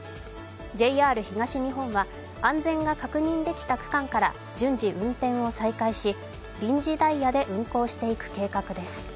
ＪＲ東日本は、安全が確認できた区間から順次運転を再開し臨時ダイヤで運行していく計画です。